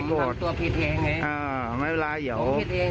อ้าวไม่เวลาเหยียว